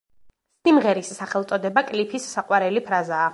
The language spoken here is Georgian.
სიმღერის სახელწოდება კლიფის საყვარელი ფრაზაა.